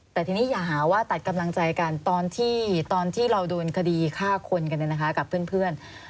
แต่ทีนี้อย่าหาว่าตัดกำลังใจกันตอนที่เราโดนคดีฆ่าคนกันกับเพื่อน